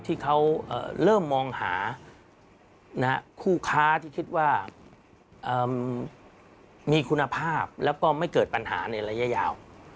ที่เขาเริ่มมองหาคู่ค้าที่คิดว่ามีคุณภาพแล้วก็ไม่เกิดปัญหาในระยะยาว